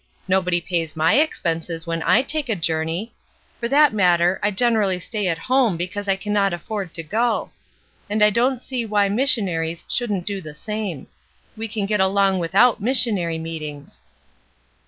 Nobody pays my expenses when I take a journey; for that matter, I gen erally stay at home because I cannot afford to go; and I don't see why missionaries shouldn't do' the same. We can get along without mis aonary meetings."